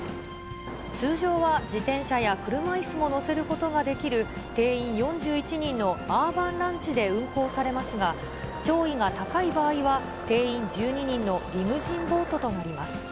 通常は自転車や車イスも載せることができる定員４１人のアーバンランチで運航されますが、潮位が高い場合は、定員１２人のリムジンボートとなります。